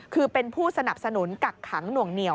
คือเป็นผู้สนับสนุนกักขังหน่วงเหนียว